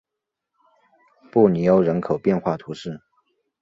布尼欧人口变化图示